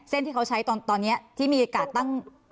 เส้นที่เขาใช้ตอนนี้ที่มีการตั้ง